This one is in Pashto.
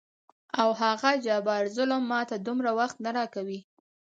او هغه جبار ظلم ماته دومره وخت نه راکوي.